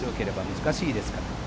難しいですから。